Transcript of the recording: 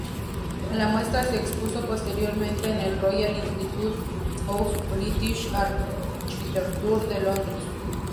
La muestra se expuso posteriormente en el Royal Institute of British Architecture de Londres.